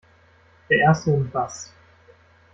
Der Erste in was?